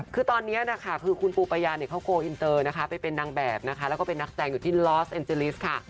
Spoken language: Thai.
คือตอนนี้คุณปูประยาเข้าโครวอินเตอร์ไปเป็นนางแบบแล้วก็เป็นนักแจงอยู่ที่ลอสเอ็นเจลิสค่ะ